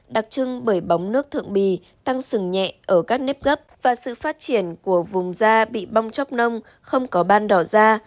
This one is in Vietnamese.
đặc trưng bởi bóng nước thượng bì tăng sừng nhẹ ở các nếp gấp và sự phát triển của vùng da bị bong chóc nông không có ban đỏ da